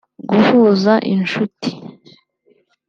guhuza inshuti